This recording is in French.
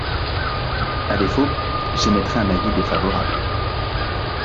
À défaut, j’émettrais un avis défavorable.